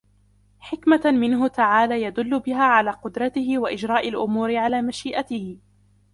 حِكْمَةً مِنْهُ تَعَالَى يَدُلُّ بِهَا عَلَى قُدْرَتِهِ وَإِجْرَاءِ الْأُمُورِ عَلَى مَشِيئَتِهِ